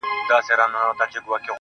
• ولاكه مو په كار ده دا بې ننگه ككرۍ.